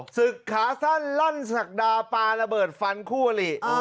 ศึกขาสั้นลั่นศักดาปลาระเบิดฟันคู่อลิ